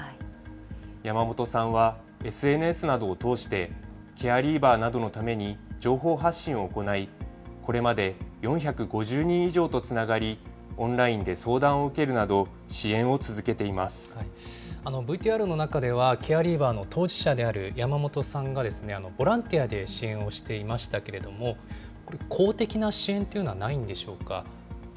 山本さんは、ＳＮＳなどを通して、ケアリーバーなどのために情報発信を行い、これまで４５０人以上とつながり、オンラインで相談を受けるなど、ＶＴＲの中では、ケアリーバーの当事者である山本さんが、ボランティアで支援をしていましたけれども、これ、公的な支援というのはないんでしょうか。